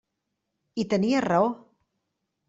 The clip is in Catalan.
I tenia raó.